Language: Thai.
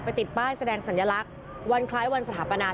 ติดป้ายแสดงสัญลักษณ์วันคล้ายวันสถาปนา